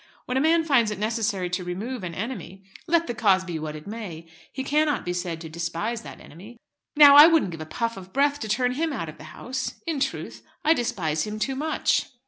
When a man finds it necessary to remove an enemy, let the cause be what it may, he cannot be said to despise that enemy. Now, I wouldn't give a puff of breath to turn him out of the House. In truth, I despise him too much."